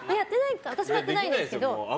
私もやってないんですけど。